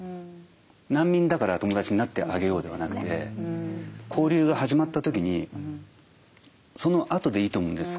「難民だから友達になってあげよう」ではなくて交流が始まった時にそのあとでいいと思うんです。